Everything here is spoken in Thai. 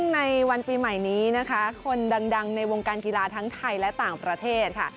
ในวันปีใหม่นี้นะคะคนดังในวงการกีฬาทั้งไทยและต่างประเทศค่ะ